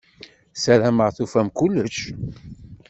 Sarameɣ tufam kullec.